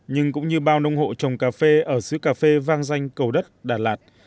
nhưng cũng như bao nông hộ trồng cà phê ở sứ cà phê vang danh cầu đất đà lạt